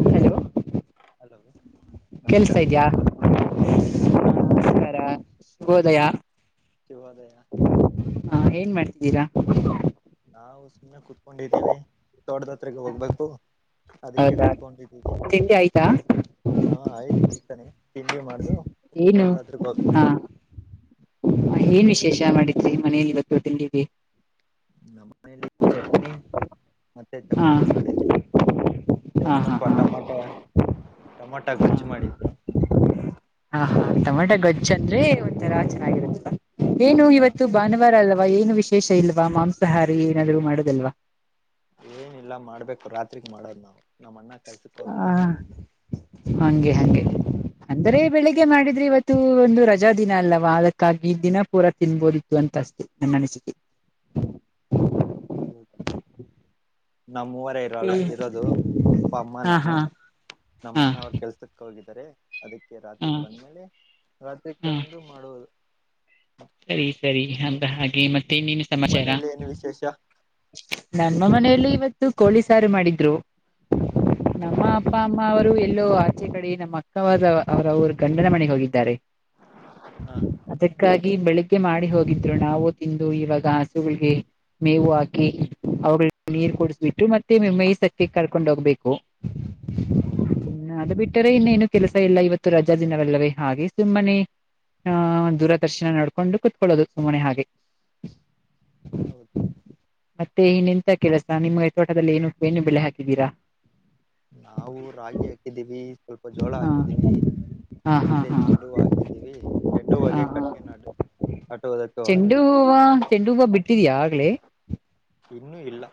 [inaudible] Hello. Hello ಕೆಲ್ಸ ನಮಸ್ಕಾರ sir ಇದ್ಯಾ ನಾ ಕೇಳಿಸ್ತಾ ಇದ್ದೇನೆ ನಮಸ್ಕಾರ ಶುಭೋದಯ ಹ. [inaudible] ಹಾ ಏನ್ ಮಾಡ್ತಿದ್ದೀರಾ. ಹಾ ಮ ಕು. [inaudible] ಕುತ್ಕೊಂಡಿದ್ದೀನಿ ತೋಟದ ಹತ್ರಕ್ಕೆ ಹೋಗ್ಬೇಕು ಅದಕ್ಕೆ ಹೌದಾ ಕುತ್ಕೊಂಡಿದ್ದೀನಿ. ತಿಂಡಿ ಆಯ್ತಾ ಹಾ ಆಯ್ತು ಈತನೆ ತಿಂಡ ಮಾಡ್ದು. ಏನು ತೋಟದ ಹತ್ರಕ್ಕೆ ಹಾ ಹೋಗ್ಬೇಕು ಏನು. [inaudible] ಕೆಷ ಮಾಡಿದರಿ ಮನೇಲಿ ಇವತ್ತು ತಿಂಡಿವಿ. ನಮ್ಮ ಮನೇಲಿ ಚಟ್ನಿ ಮತ್ತೆ ಹಾ ಚಪಾತಿ ಮಾಡಿದ್ದೆ. ಅ ಹಾ ಹಾ ಸ್ವಲ್ಪ ಹಾ ಟೊಮಾಟೋ ಟಮಾಟ ಗೊಜ್ಜು ಮಾಡಿದ್ರು. ಹಾ ಹಾ ಟಮಾಟಾ ಗೊಜ್ಜ್ ಅಂದ್ರೆ ಒಂಥರಾ ಚೆನ್ನಾಗಿರುತ್ತ ಏನು ಹ ಇವತ್ತು ಭಾನುವಾರ ಅಲ್ಲ. ವಾ ಏನು ವಿಶೇಷ ಇಲ್ವಾ ಮಾಂಸಾಹಾರಿ ಏನಾದ್ರು ಮಾಡುದಲ್ವಾ. ಏನಿಲ್ಲ ಮಾಡ್ಬೇಕು ರಾತ್ರಿಗ್ ಮಾಡೋದ್ ನಾವು. ನಮ್ಮ ಅಣ್ಣ ಕೆಲ್ಸಕ್ಕೆ ಹೋಗಿದ್ದಾರೆ ಹ ಹಂಗೆ ಹಂಗೆ ಅದಕ್ಕೆ ಅಂದ್ರೆ ಬೆಳಿಗ್ಗೆ ಮಾಡಿದ್ರಿ ಇವತ್ತು. ಇತ್ತು ಒಂದು ರಜಾ ದಿನ ಅಲ್ಲವಾ ಅದಕ್ಕಾಗಿ ಈ ದಿನ ಪೂರಾ ತಿನ್ಬೋದಿತ್ತು ಅಂತ ಅಸ್ತು ನನ್ನ ಅನಿಸಿಕೆ. [inaudible] [inaudible] ನಮ್ಮೂವರ ಹಾ ಇರೋಲ್ಲ ಇರೋದು ಅಪ್ಪ ಅಮ್ಮ ನಾನು ಹಾ ನಮ್ಮ ಹಾ ಅಣ್ಣ ಅವರು ಕೆಲ್ಸಕ್ಕೆ ಹೋಗಿದ್ದಿ. ಅದಕ್ಕೆ ಹಾ ರಾತ್ರಿಗ್ ಬಂದ್ಮೇಲೆ ರಾತ್ರಿಗ್ ಹಾ ತಂದು ಮಾಡುವುದು. ಸರಿ ಸರಿ ಅಂದ ಹಾಗೆ ಮತ್ತೆ. ನೀನು ನಿಮ್ಮ್ ಸಮಾಚಾರ ಮನೇಲಿ ಏನು ವಿಶೇಷ ನಮ್ಮ ಮನೆಯಲ್ಲಿ ಇವತ್ತು. ಕೋಳೀ ಸಾರು ಮಾಡಿದ್ರು. ನಮ್ಮ ಅಪ್ಪ ಅಮ್ಮ ಅವರು ಎಲ್ಲೋ ಆಚೆ ಕಡೆ ನಮ್ಮ ಅಕ್ಕವಾದ ಅವರವರು ಗಂಡನ ಮನೆಗೆ ಹೋಗಿದ್ದಾರೆ. ಹ ಅದಕ್ಕಾಗಿ ಬೆಳಿಗ್ಗೆ ಮಾಡಿ ಹೋಗಿದ್ರು ನಾವು ತಿಂದು ಇವಾಗ ಆಸೆ. ಮೇವು ಹಾಕಿ ಅವುಗಳಿಗೆ ನೀರ್ ಹ್ಮ್ ಕೊಡಿಸ್ಬಿಟ್ಟು ಮತ್ತೆ. ಮತ್ತಮ ಮೇ ಸತಿ ಕರ್ಕೊಂಡ್ ಹೋಗ್ಬೇಕು. ಹೌದಾ. ಇಟ್ಟರೆ ಇನ್ನೇನು ಕೆಲಸ ಇಲ್ಲ ಇವತ್ತು ರಜಾ ದಿನವಲ್ಲವೇ ಹಾಗೆ ಸುಮ್ಮನೆ. ಆ ಹ್ಮ. ದೂರದರ್ಶನ ನೋಡ್ಕೊಂಡು ಕುೂತ್ಕೊಳ್ಳೋದು ಸುಮ್ಮನೆ ಹಾಗೆ. ಹೌದು. ಮತ್ತೆ ಇನ್ ಎಂತ ಕೆಲಸ ನಿಮ್ ತೋಟದಲ್ಲಿ ಏನು ಏನು ಬೆಲೆೆ ಹಾಕಿದ್ದೀರಾ ನಾವು ರಾಗಿ ಹಾಕಿದ್ದೀವಿ ಸ್ವಲ್ಪ ಜೋಳ ಹಾ ಹಾಕಿದ್ದೀವಿ ಹಾ ಹಾ ಮತ್ತೆ ಹಾ ಚೆಂಡು ಹೂವು ಹಾಕಿದ್ದೀವಿ ಚೆಂಡು ಹಾ ಹಾಗೆ ಹಾ ಕಟ್ ಚೆಂಡು ಹೂವ ಚೆಂಡು ಹೂವ ಬಿಟ್ಟಿದ್ಯಾ ಆಗ್ಲೇ. ಇನ್ನುೂ ಇಲ್ಲ.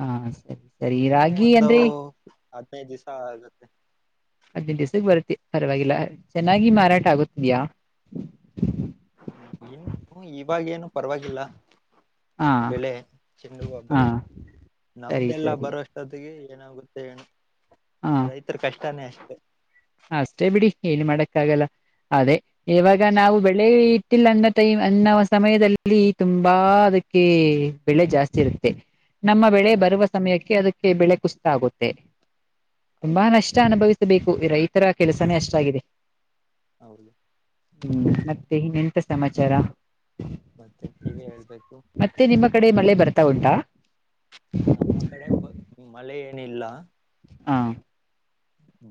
ಹಾ ಸರಿ ಸರಿ ಇನ್ನುೂ ರಾಗಿ ಒಂದು ಅಂದ್ರೆ ಹದ್ನೈದು ದಿವ್ಸ ಆಗುತ್ತೆ. ಆದಿ ನೈದು ದಿವಸ ಬರುತ್ತೆ ಪರವಾಗಿಲ್ಲ ಚೆನ್ನಾಗಿ ಮಾರಾಟ ಆಗತಿದ್ಯಾ. [inaudible] ಇವಾಗ್ ಏನು ಪರವಾಗಿಲ್ಲ. ಹಾ ಬೆಲೆ ಚಿಂಡವ ಹಾ ಬೆಲೆ ಸರಿ ನಮ್ದೆಲ್ಲ ಸರಿ ಬರುವೋಷ್ಟದಿಗೆ. ಏನಾಗುತ್ತೆ ಹಾ ರೈತರ ಕಷ್ಟಾನೇ ಅಷ್ಟೆ ಅಷ್ಟೇ ಬಿಡಿ ಏನ್ ಮಾಡಕ್ಕ ಆಗಲ್ಲ ಅದೇ ಇವಾಗ ಹ ನಾವು ಬೆಳಿ ಗೋತ್ತಿಲ್ಲ ಅನ್ನ ಟೈಮ್ ಅನ್ನ ಸಮಯದಲ್ಲಿ ತುಂಬಾ ಅದಕ್ಕೆ ಬೆಳೆ ಜಾಸ್ತಿ ಇರುತ್ತೆ ನಮ್ಮ ಬೆಳೆ ಹ್ಮ್ ಬರುವ ಸಮಯಕ್ಕೆ ಅದಕ್ಕೆ ಬೆಳೆ ಕುಸ್ತಗುತೇ ಆಗುತ್ತೆ ತುಂಬಾ ಹೌದು ನಷ್ಟ ಅನುಭವಿಸ ಬೇಕು ರೈತರ ಕೆಲಸನೇ ಅಷ್ಟಾಗಿದೆ ಹೌದು ಹ್ಮ ಮತ್ತೆ ಇನ್ನೆ ಮತ್ತೆ ಸಮಾಚಾರ ಮತ್ತೆ ನೀವೇ ಹೇಳ್ಬೇಕು ಮತ್ತೆ ನಿಮ್ಮ ಕಡೆ ಮಳೆ ಬರ್ತಾ ಉಂಟಾ ನಮ್ಮ ಕಡೆ ಮಳೆ ಏನಿಲ್ಲ ಹಾ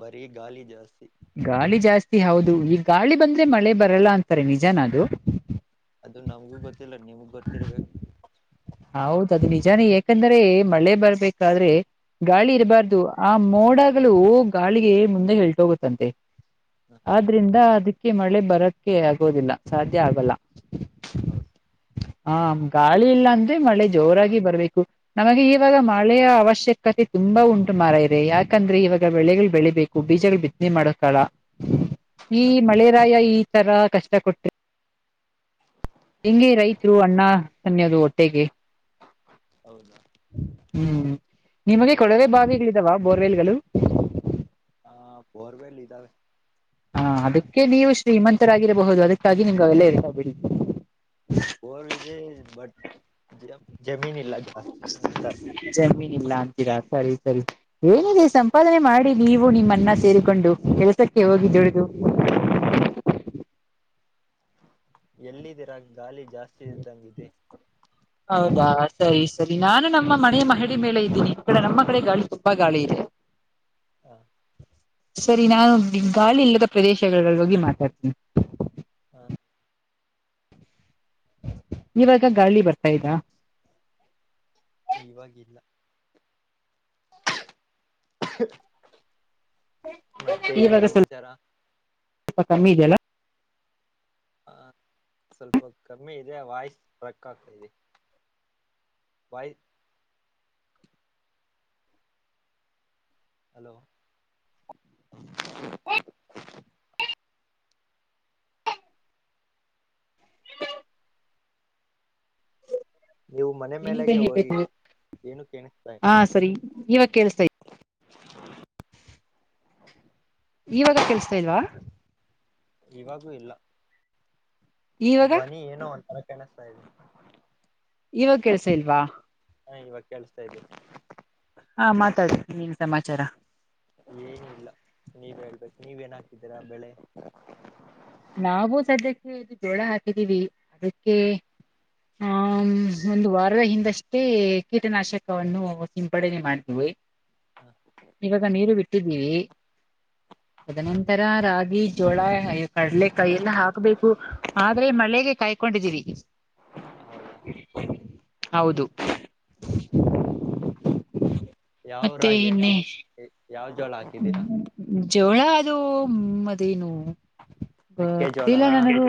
ಬರೀ ಗಾಳಿ ಜಾಸ್ತಿ ಗಾಳಿ ಜಾಸ್ತಿ ಹೌದು ಈಗ ಗಾಳಿ ಬಂದ್ರೆ ಮಳೆ ಬರಲ್ಲ ಅಂತಾರೆ ನಿಜಾನದು ಅದು ನಮಗೂ ಗೊತ್ತಿಲ್ಲ ನಿಮಗ ಗೊತ್ತಿರ್ಬೇಕ ಹೌದ ಅದು ನಿಜಾನೇ ಯಾಕಂದ್ರೆ ಮಳೆ ಬರ್ಬೇಕಾದ್ರೆ ಗಾಳಿ ಇರಬಾರ್ದು ಆ ಮೋಡಾಗಗಳು ಗಾಳಿಗೆ ಮುಂದೆ ಹೇಳ್ಟೋಗುತ್ತಂತೆ ಆದ್ರಿಂದ ಅದ ಅಕೆ ಮಳೆ ಬರಕ್ಕೆ ಆಗೋದಿಲ್ಲ ಸಾಧ್ಯ ಆಗಲ್ಲ ಹೌದು ಹಾ ಗಾಳಿ ಇಲ್ಲ ಅಂದ ಮಳೆ ಜೋರಾಗಿ ಬರಬೇಕು ನಮಗೆ ಈವಾಗ ಮಳೆಯ ಅವಶ್ಯಕತೆ ತುಂಬಾ ಉಂಟು ಮಾರ ಇದೆ ಯಾಕೆ ಯಾಕಂದ್ರೆ ಇವಾಗ ಬೆಳೆಗಳು ಬೆಳಿಬೇಕು ಬೀಜಗಳು ಬಿತ್ತನೆ ಮಾಡಕಳ ಈ ಮಳೆರಾಯ ಈ ತರ ಕಷ್ಟ ಕೊಟ್ಟ ಹೆಂಗೆ ರೈತರು ಅಣ್ಣ ಸನ್ನಯದು ಹೊಟ್ಟೆಗೆ ಹೌದಾ ಹ್ಮ್ ನಿಮಗೆ ಕೊಳವೆ ಬಾವಿಗಳಿದಾವ ಬೋರ್ವೆಲ್ ಗಳು ಹಾ ಬೋರ್ ವೆಲ್ ಇದಾವೆ ಹಾ ಅದಕ್ಕೆ ನೀವು ಶ್ರೀಮಂತರಾಗಿರಬಹುದು ಅದಕ್ಕಾಗಿ ನಿಮ್ಗೆ ಅವೆಲ್ಲ ಇರ್ತಾಬಡಿ ಬೋರ್ ಇದೆ ಬಟ್ ಜಮೀನ್ ಇಲ್ಲ ಜಾಸ್ತಿ ನಿಮ್ ತರ ಜಮೀನ್ ಇಲ್ಲ ಅಂತೀರಾ ಸರಿ ಸರಿ ಏನಿದೆ ಸಂಪಾದನೆ ಮಾಡಿ ನೀವು ನಿಮ್ಮನ್ನ ಸೇರಿಕೊಂಡು ಕೆಲ್ಸಕ್ಕೆ ಹೋಗಿ ಹ, ದುಡಿದು [inaudible] ಎಲ್ಲಿಧೀರಾ ಗಾಳಿ ಜಾಸ್ತಿ ಇದ್ದಂಗಿದೆ ಹೌದಾ ಸರಿ ಸರಿ ನಾನು ನಮ್ಮ ಮನೆಯ ಮಹಡಿ ಮೇಲೆ ಇದ್ದೀನಿ ಈ ಕಡೆ ನಮ್ಮ ಕಡೆ ಗಾಳಿ ತುಂಬಾ ಗಾಳಿ ಇದೆ ಹ ಸರಿ ನಾನು ಹೌದು. ಗಾಳಿ ಇಲ್ಲದ ಪ್ರದೇಶಗಳಲ್ಲಿ ಹೋಗಿ ಮಾತಾಡ್ತೀನಿ ಹ್ಮ [unintelligible] ಇವಾಗ ಗಾಳಿ ಬರ್ತಾ ಇದ್ದಾ ಇವಾಗಿಲ್ಲ [inaudible] ಮತ್ತೆ ಏನ್ ಇವಾಗ ಸ್ವಲ್ಪ ಸಮಾಚಾರ ಸ್ವಲ್ಪ ಕಮ್ಮಿ ಇದೆಯಲ್ಲ ಹ ಸ್ವಲ್ಪ ಕಮ್ಮಿ ಇದೆ ವಾಯ್ಸ್ ಸ್ಟ್ರಕ್ ಆಗ್ತಾದೆ [unintelligible] ಹಲೋ ನೀವು ಮನೆ ಏನಿದೆ ಮೇಲೆಗೆ ಹೋಗಿ ಹೇಳ್ಬೇಕು ಕೇಳಿಸ್ತಾ ಇಲ್ಲ. ಹಾ ಸರಿ ಇವಾಗ ಕೇಳಸ್ತ ಇ [inaudible] ಹ [unintelligible] ಇವಾಗ ಕೇಳಸ್ತಾಲ್ವಾ ಇವಾಗೂ ಇಲ್ಲ ಇವಾಗ ಧ್ವನಿ ಏನೋ ಒಂತರ ಕೇಳಿಸ್ತಾ ಇದೆ ಇವಾಗ ಕೆಲ್ಸ ಇಲ್ವಾ ಹಾ ಇವಾಗ ಕೇಳಸ್ತಾ ಇದೀವಿ ಹಾ ಮಾತಾಡ್ತೀನಿ ನೀನ್ ಸಮಾಚಾರ ಏನು ಇಲ್ಲ ನೀವೇ ಹೇಗ್ಬೇಕು ನೀವೇನ್ ಹಾಕಿದ್ದೀರಾ ಬೆಳೆ ನಾವವು ಸದ್ಯಕ್ಕೆ ಇದು ಜೋಳ ಹಾಕಿದ್ದೀವಿ ಅದಕ್ಕೆ ಹ ಒಂದು ವಾರದ ಹಿಂದಷ್ಟೇ ಕೀಟನಾಶಕವನ್ನು ಸಿಂಪಡಣೆ ಮಾಡಿದ್ವಿ ಇವಾಗ ನೀರು ಬಿಟ್ಟಿದ್ದೀವಿ ಹ ತದನಂತರ ರಾಗಿ ಜೋಳ ಕಡಲೆಕಾಯಿ ಎಲ್ಲ ಹಾಕ್ಬೇಕು ಆದ್ರೆ ಮಳೆಗೆ ಕಾಯ್ಕೊಂಡಿದ್ದೀರಿ ಹೌದಾ ಹೌದು ಯಾವ್ ಮತ್ತೆ ರಾಗಿ ಇನ್ನೆ ಹಾಕಿದ ಯಾವ ಜೋಳ ಹಾಕಿದ್ದೀರಾ ಜವಳ ಅದು ಅದೇನು ಗೊತ್ತಿಲ್ಲ ಮೆಕ್ಕೆಜೋಳನಾ ನನಗೆ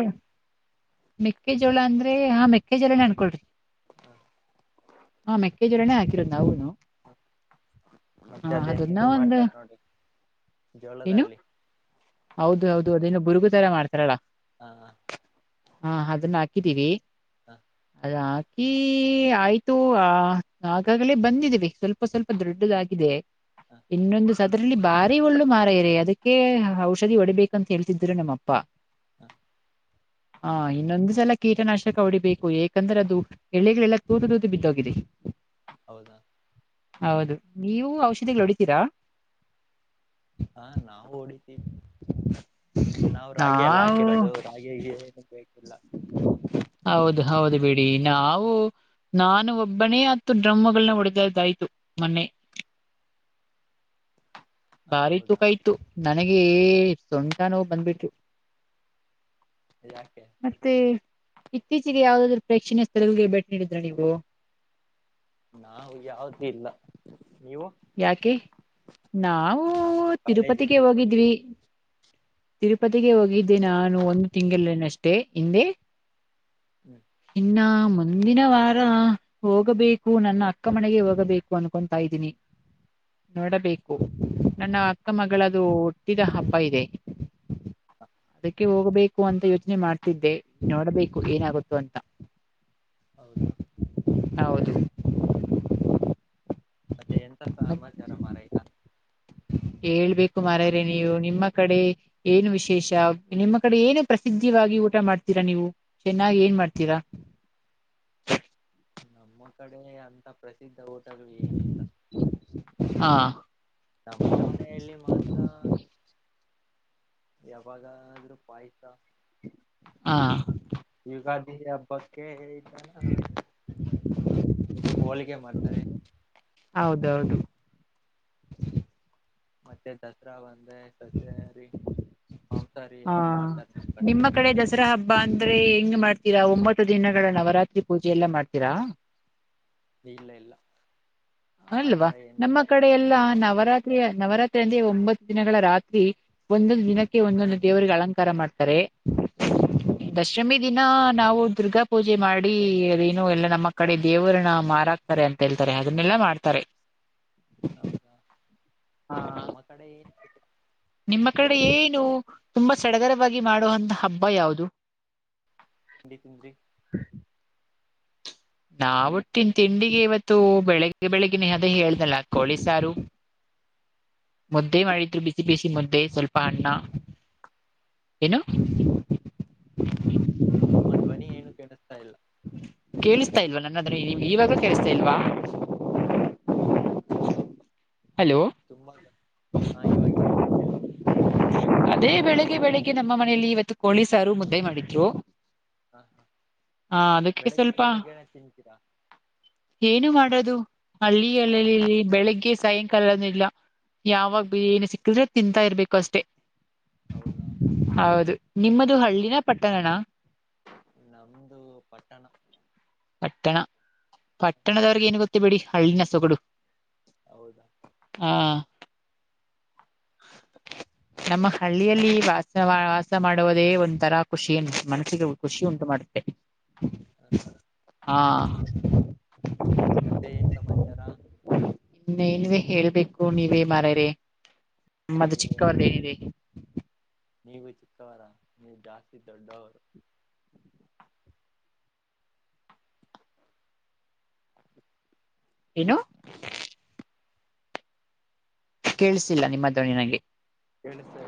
ಮೆಕ್ಕೆಜೋಳ ಅಂದ್ರೆ ಹಾ ಮೆಕ್ಕೆಜೋಳೇ ಅನ್ಕೊಳ್ರಿ ಹ್ಮ ಹಾ ಮೆಕ್ಕೆಜ್ವರನೇ ಹಾಕಿರೋದು ನವುನು ಮತ್ತೆ ಅದೇನ್ ಇದು ಮಾಡ್ತಾರೆ ನೋಡಿ ಏನು ಜೋಲದಲ್ಲಿ ಹೌದು ಹೌದು ಅದೇನ್ನುನು ಬುರುಗು ತರ ಮಾಡ್ತಾರಲ್ಲ ಹ ಹಾ ಅದನ್ನ ಹಾಕಿದ್ದೀವಿ ಹ ಅದ ಈ ಆಯ್ತು ಆ ಆಗಾಗಲೇ ಬಂದದೀವಿ ಸ್ವಲ್ಪ ಸ್ವಲ್ಪ ದೊಡ್ಡದಾಗಿದೆ ಹ ಇನ್ನೊಂದು ಸದರಲ್ಲಿ ಭಾರಿ ಒಳ್ಳು ಮಾರ ಇರಿ ಅದಕ್ಕೆ ಔಷಧಿ ಒಡೆಬೇಕಂತ ಹೇಳ್ತಿದ್ರು ನಮ್ಮಪ್ಪಾ ಹ [inaudible] ಹಾ ಇನ್ನೊಂದ್ ಸಲ ಕೀಟನಾಶಕ ಹೊಡಿಬೇಕು ಯಏಕಂದ್ರೆ ಅದು ಎಳಿಗಳೆಲ್ಲಾ ತೂದು ತೂತ ಬಿದ್ದೋಗಿದೆ ಹೌದಾ ಹೌದು ನೀವು ಔಷಧಿಗಳು ಹೊಡಿತೀರಾ ಹಾ ನಾವು ಓಡತಿ ನಾವು ರಾಗಿ ಎಲ್ಲ ಹಾಕಿರೋದು ರಾಗಿ ಏನು ಬೇಕಿಲ್ಲ ಹೌದು ಹೌದು ಬಿಡಿ ಡಿ ನಾವು ನಾನು ಒಬ್ಬನೇ ಹತ್ತು ಡ್ರಮ್ಮಗಳನ್ನ ಹೊಡೆದದ್ದಾಯ್ತು ಮೊನ್ನೆ ಹ ಬಾರಿ ತು ಹೌದಾ ಕೈ ತು ನ ಸುಂಟ ನೋ ಬಂದ್ಬಿಟ್ಟು ಯಾಕೆ ಮತ್ತೆ ಇತ್ತೀಚಿಗೆ ಯವುದ ಪ್ರೇಕ್ಷಣಯ ಸ್ಥಳಗಳಿಗೆ ಭೇಟಿ ನೀಡಿದ್ರೆ ನೀವು ನಾವು ಯಾವದು ಇಲ್ಲ ನೀವು ಯಾಕೆ ನಾವು ನಮ್ದು ಕಾಲೇಜ್ ತಿರುಪತಿಗೆ ಇರುತ್ತೆ ಹೋಗಿದ್ವಿ ತಿರುಪತಿಗೆ ಹೋಗಿದ್ದೆ ನಾನು ಒಂದು ತಿಂಗಳೇನಷ್ಟೇ ಹಿಂದೆ ಹ್ಮ್ ಇನ್ನ ಮುಂದಿನ ವಾರ ಹೋಗಬೇಕು ನನ್ನ ಅಕ್ಕ ಮನೆಗೆ ಹೋಗಬೇಕು ಅನ್ಕೊತಾ ಇದ್ದೀನಿ ನೋಡಬೇಕು ನನ್ನ ಅಕ್ಕ ಮಗಳದು ಹುಟ್ಟಿದ ಹಬ್ಬ ಇದೆ ಅದಕ್ಕೆ ಹೋಗ್ಬೇಕು ಕು ಅಂತ ಯೋಚನೆ ಮಾಡ್ತಿದ್ದೆ ನೋಡ್ಬೇಕು ಏನಾಗುತ್ತೋ ಅಂತ ಹೌದಾ ಹೌದು ಮತ್ತೆ ಎಂತ ಮತ್ ಸಮಾಚಾರ ಮ ರ ಈತಾ ಹೇಳ್ಬೇಕು ಮಾರರೆ ನೀವು ನಿಮ್ಮ ಕಡೆ ಏನು ವಿಶೇಷ ನಿಮ್ಮ ಕಡೆ ಏನು ಪ್ರಸಿದ್ಧ ಊಟ ಮಾಡ್ತೀರಾ ನೀವು ಚೆನ್ನಾಗಿ ಏನ್ ಮಾಡ್ತೀರಾ ನಮ್ಮ ಕಡೆ ಅಂತ ಪ್ರಸಿದ್ಧ ಹೋಟೆಲ್ ಏನಿಲ್ಲ ಹಾ ನಮ್ಮ ಮನೆಯಲ್ಲಿ ಮಾತ್ರ ಯಾವಾಗಾದ್ರೂ ಪಾಯಸ ಹಾ ಯುಗಾದಿ ಹಬ್ಬಕ್ಕೆ [inaudible] ತುಂಬ ಹೋಲಿಕೆ ಮಾಡ್ತಾರೆ ಹೌದೌದು ಮತ್ತೆ ದಸರಾ ಬಂದ್ರೆ ಸಸರಿ ಹಾ ನಿಮ್ಮ ಕಡೆ ದಸರಾ ಹಬ್ಬ ಅ ಅಂದ್ರೆ ಹೆಂಗ್ ಮಾಡ್ತೀರಾ ಒಂಬತ್ತು ದಿನಗಳ ನವರಾತ್ರಿ ಪೂಜೆ ಎಲ್ಲಾ ಮಾಡ್ತೀರಾ ನೀಲ್ಲ ಇಲ್ಲ ಅಲ್ವಾ ಆತರ ಏನ್ ನಮ್ಮ ಕಡೆ ಎಲ್ಲಾ ಮಾಡ್ ನವರಾತ್ರಿಯ ನವರಾತ್ರಿ ಮ ಅಂದ್ರೆ ಒಂಬತ್ತು ದಿನಗಳ ರಾತ್ರಿ ಒಂದೊಂದು ದಿನಕ್ಕೆ ಒಂದೊಂದು ದೇವರಿಗೆ ಅಲಂಕಾರ ಮಾಡ್ತಾರೆ ದಶಮಿ ಈ ದಿನ ನಾವು ದುರ್ಗಾ ಪೂಜೆ ಮಾಡಿ ಅದೇನು ಎಲ್ಲಾ ನಮ್ಮ ಕಡೆ ದೇವರನ್ನ ಮಾರಾಕ್ತಾರೆ ಅಂತ ಹೇಳ್ತವಿ ಅದನ್ನೆಲ್ಲಾ ಮಾಡ್ತಾರೆ ಹೌದಾ ಹ ನಮ್ಮ ಕಡೆ ಏನ್ ತಿಂಡಿ ನಿಮ್ಮ ಕಡೆ ಏನು ತುಂಬಾ ಸಡಗರವಾಗಿ ಮಾಡುವಂತ ಹಬ್ಬ ಯಾವುದು ತಿಂದ್ರಿ ನಾವು ಒಟ್ಟಿನ ತಿಂಡಿಗೆ ಇವತ್ತು ಬೆಳಿಗ್ಗೆ ಬೆಳಿಗ್ನ ಅದೇ ಹೇಳ್ದಲ್ಲ ಕೋಳಿ ಸಾರು ಮುದ್ದೆ ಮಾಡಿದ್ರು ಬಿಸಿ ಬಿಸಿ ಮುದ್ದೆ ಸ್ವಲ್ಪ ಪಣ್ಣ ತಾ ಇಲ್ಲ ಏನು ನಿಮ್ಮ ಧ್ವನಿ ಏನು ಕೆಡಿಸ್ತಾ ಇಲ್ಲ ಕೇಳಿಸ್ತಾ ಇಲ್ವಾ ನನ್ನಾದ್ರೆ ಇವಾಗ ಕೇಳಿಸ್ತಾ ಇಲ್ವಾ ಹಲೋ ತುಂಬಾ ಹಾ ಇವಾಗ ಹೇಳಿ ಹೇಳಿ ಏನ್ ತಿಂದ್ರಿ ಅದೇ ಬೆಳಿಗ್ಗೆ ಬೆಳಿಗ್ಗೆ ನಮ್ಮ ಮನಲಿ ಇವತ್ತು ಕೋಳೀಸಾರು ಮುದ್ದೆ ಮಾಡಿದ್ರು ಹಾ ಹಾ ಆ ಅದಕ್ಕೆ ಬೆಳಗ್ಗೆ ಸ್ವಲ್ಪ ಬೆಳಗ್ನ ತಿಂತತೀರಾ ಏನು ಮಾಡೋದು ಹಳ್ಳಿಲ್ಲಲ್ಲಿ ಬೆಳಗ್ಗೆ ಸಾಯಂಕಾಲನಿಲ್ಲ ಯಾವಾಗ ಹ್ಮ್ ಏನು ಸಿಕ್ಕಿದ್ರೆ ತಿಂತಾ ಇರ್ಬೇಕು ಅಷ್ಟೆ ಹೌದಾ ಹೌದು ನಿಮ್ಮದು ಹಳ್ಳಿನ ಪಟ್ಟಣಣ ನಮ್ದು ಪಟ್ಟಣ ಪಟ್ಟಣ ಪಟ್ಟಣದವರೆಗ ಏನು ಗೊತ್ತ ಎ ಬಡಿ ಹಳಲಿ ನಸೋ ಕಡು ಹೌದಾ ಹಾ ಹ [unintelligible] ನಮ್ಮ ಹಳ್ಳಿಯಲ್ಲಿ ವಾಸ ವಾಸ ಮಾಡುವುದೇ ಒಂದ ತರಾ ಖುಷಿನ್ ಮನಸ್ಸಿಗೆ ಖುಷಿ ಉಂಟು ಮಾಡುತ್ತೆ ಹಾ ಮತ್ತೆ ಏನ್ ಸಮಾಚಾರ ನ್ವೇ ಹೇಳ್ಬೇಕು ನೀವೇ ಮಾರರೆದ್ ಚ ಹೇಳ್ಬೇಕು ನೀವು ಚಿಕ್ಕವರ ನೀವು ಜಾಸ್ತಿ ದೊಡ್ಡವರು ಏನು ಕೇಳಿಸಿಲ್ಲ ನಿಮ್ಮದವ ನಂಗೆ ಎಳ ಸಿ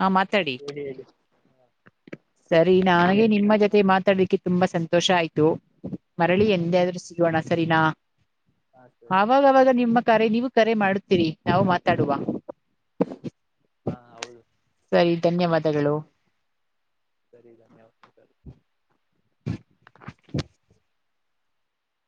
ಹಾ ಮಾತಾಡಿ ಸರಿ ನನಗೆ ಹೇಳಿ ನಿಮ್ಮ ಜೊತೆ ಮಾತಾಡ್ಲಿಕ್ಕೆ ತುಂಬಾ ಸಂತೋಷ ಆಯ್ತು ಮರಳಿ ಹೌದಾ ಎಂದೇದ್ರರು ಸಿಗೋಣ ಸರಿನಾ ಹಾ ಸರಿ ಆವಾಗವಾಗ ನಿಮ್ಮ ಕರೆ ನೀವು ಕರೆ ಮಾಡುತ್ತೀರಿ ನಾವು ಮಾತಾಡುವ ಹಾ ಹೌದು ಸರಿ ಧನ್ಯವಾದಗಳು ಸರಿ ಧನ್ಯವಾದ ಸ